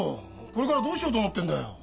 これからどうしようと思ってんだよ！？